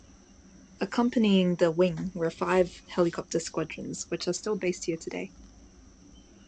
Accompanying the wing were five helicopter squadrons which are still based here today.